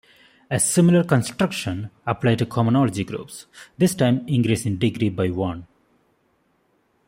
A similar construction applies to cohomology groups, this time increasing degree by one.